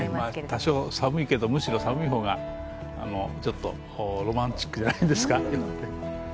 多少寒いけど、むしろ寒い方がちょっとロマンチックじゃないですか。